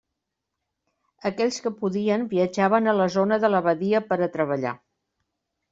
Aquells que podien viatjaven a la zona de la badia per a treballar.